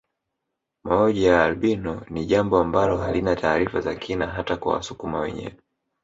Mauji ya albino ni jambo ambalo halina taarifa za kina hata kwa wasukuma wenyewe